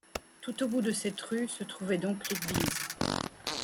Tout au bout de cette rue se trouvait donc l'église.